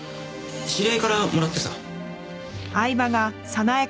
知り合いからもらってさ。